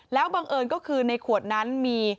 แล้วบังเอิญก็คือในขวดนั้นมี